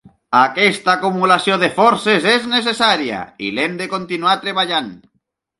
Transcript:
Aquesta acumulació de forces és necessària i l’hem de continuar treballant.